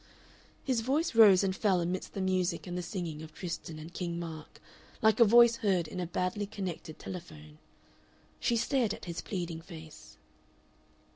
His voice rose and fell amidst the music and the singing of Tristan and King Mark, like a voice heard in a badly connected telephone. She stared at his pleading face.